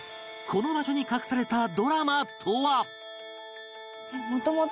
この場所に隠されたドラマとは？